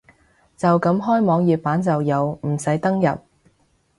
就咁開網頁版就有，唔使登入